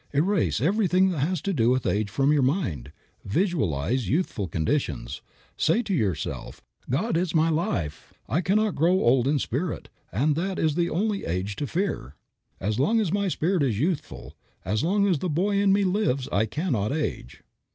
Erase everything that has to do with age from your mind. Visualize youthful conditions. Say to yourself, "God is my life. I cannot grow old in spirit, and that is the only old age to fear. As long as my spirit is youthful; as long as the boy in me lives, I cannot age."